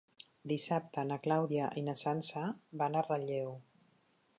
Dissabte na Clàudia i na Sança van a Relleu.